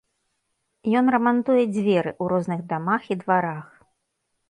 Ён рамантуе дзверы ў розных дамах і дварах.